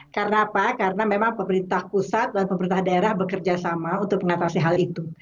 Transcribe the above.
karena apa karena memang pemerintah pusat dan pemerintah daerah bekerja sama untuk mengatasi hal itu